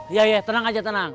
iya iya tenang aja tenang